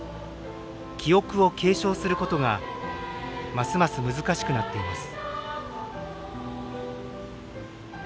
記憶を継承することがますます難しくなっています。